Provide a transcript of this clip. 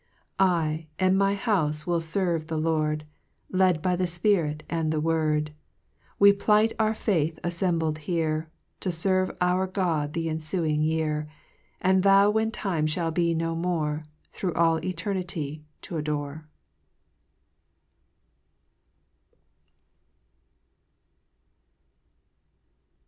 I, ( 20 ) 6 I, and my houfc will fcrve the Lord, Led by the Spirit and the Word ; We plight our faith affcmbled here, To ferve our God th' enfuing year; And vow when time fliall be no more. Thro' all eternity t' adore.